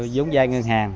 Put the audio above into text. vốn giai ngân hàng